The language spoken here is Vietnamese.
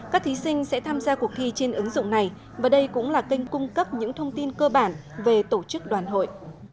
các thí sinh sẽ tham gia cuộc thi trên ứng dụng này và đây cũng là kênh cung cấp những thông tin cơ bản về tổ chức đoàn hội